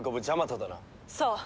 そう。